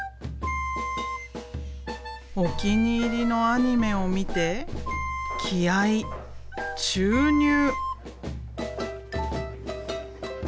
お気に入りのアニメを見て気合い注入！